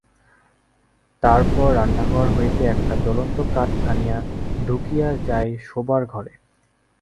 তারপর রান্নাঘর হইতে একটা জ্বলন্ত কাঠ আনিয়া ঢুকিতে যায় শোবার ঘরে।